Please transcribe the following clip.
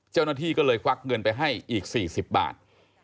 เจ้าหน้าที่ก็เลยควักเงินไปให้อีก๔๐บาท